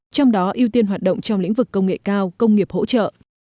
trong đó ưu tiên hoạt động trong lĩnh vực công nghệ cao công nghiệp hỗ trợ